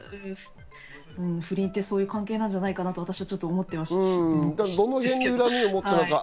不倫ってそういう関係なんじゃないかなと私は思ってしまうんですけど。